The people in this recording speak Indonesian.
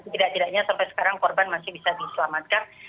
tidak tidaknya sampai sekarang korban masih bisa diselamatkan